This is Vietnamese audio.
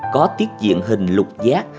có tiết diện hình lục giác